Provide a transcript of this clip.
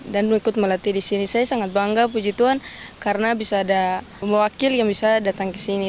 dan mengikut melatih di sini saya sangat bangga puji tuhan karena bisa ada mewakil yang bisa datang ke sini